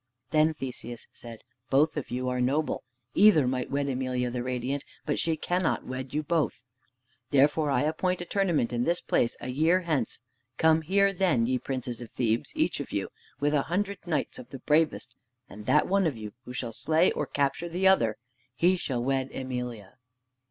Then Theseus said, "Both of you are noble. Either might wed Emelia the Radiant, but she cannot wed you both. Therefore I appoint a tournament in this place a year hence. Come here then, ye Princes of Thebes, each of you, with a hundred knights of the bravest, and that one of you, who shall slay or capture the other, he shall wed Emelia."